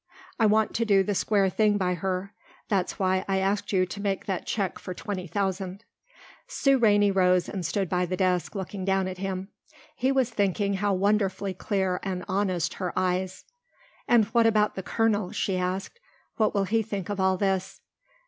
I want to do the square thing by her. That's why I asked you to make that check for twenty thousand." Sue Rainey rose and stood by the desk looking down at him. He was thinking how wonderfully clear and honest her eyes. "And what about the colonel?" she asked. "What will he think of all this?"